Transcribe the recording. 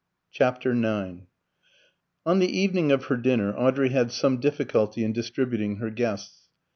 CHAPTER IX On the evening of her dinner Audrey had some difficulty in distributing her guests.